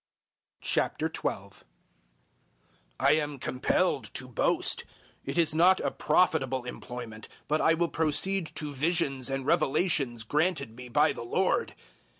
012:001 I am compelled to boast. It is not a profitable employment, but I will proceed to visions and revelations granted me by the Lord.